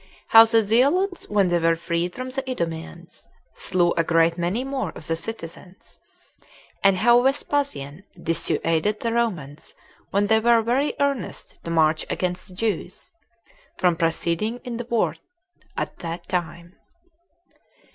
How The Zealots When They Were Freed From The Idumeans, Slew A Great Many More Of The Citizens; And How Vespasian Dissuaded The Romans When They Were Very Earnest To March Against The Jews From Proceeding In The War At That Time.